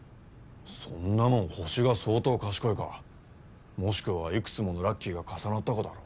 そんなもんホシが相当賢いかもしくはいくつものラッキーが重なったかだろ。